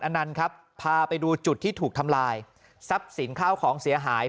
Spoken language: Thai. นันต์ครับพาไปดูจุดที่ถูกทำลายทรัพย์สินข้าวของเสียหาย